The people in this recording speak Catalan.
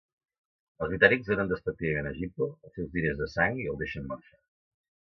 Els britànics donen despectivament a Gypo els seus diners de sang i el deixen marxar.